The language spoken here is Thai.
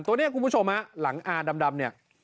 ตัวนี้คุณผู้ชมฮะหลังอาดำเนี่ย